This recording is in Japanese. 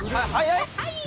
はい。